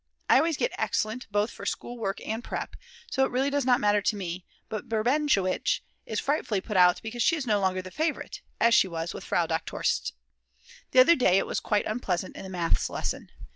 I always get Excellent both for school work and prep.; so it really does not matter to me, but Berbenowitsch is frightfully put out because she is no longer the favourite as she was with Frau Doktor St. The other day it was quite unpleasant in the Maths lesson.